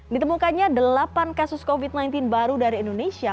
ditemukannya delapan kasus covid sembilan belas baru dari indonesia